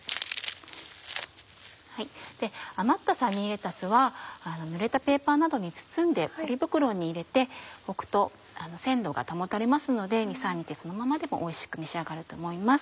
余ったサニーレタスはぬれたペーパーなどに包んでポリ袋に入れておくと鮮度が保たれますので２３日そのままでもおいしく召し上がれると思います。